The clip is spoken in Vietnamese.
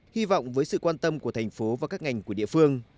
hy vọng với sự quan tâm của thành phố và các ngành của địa phương